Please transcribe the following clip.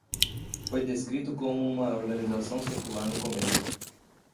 Foi descrito como uma organização secular no começo.